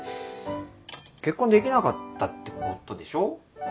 結婚できなかったってことでしょ？